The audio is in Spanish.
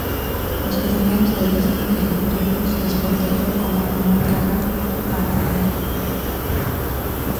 Los pasajeros deducen que el autobús les protegió como una caja Faraday.